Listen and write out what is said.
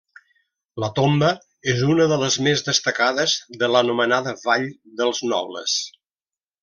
La tomba és una de les més destacades de l'anomenada Vall dels Nobles.